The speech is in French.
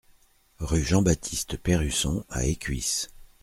Rue Jean-Baptiste Perrusson à Écuisses